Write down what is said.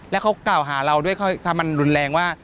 แล้วเขากล่าวหาเราด้วยถ้ามันรุนแรงว่า